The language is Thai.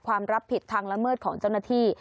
รับผิดทางละเมิดของเจ้าหน้าที่